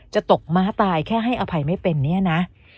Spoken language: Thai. จะตกม้าตายแค่ให้อภัยไม่เป็นเนี่ยนะ